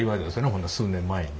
ほんの数年前に。